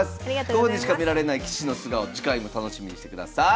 ここでしか見られない棋士の素顔次回も楽しみにしてください。